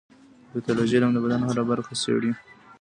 د پیتالوژي علم د بدن هره برخه څېړي.